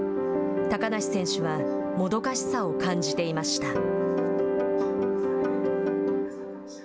高梨選手はもどかしさを感じていました。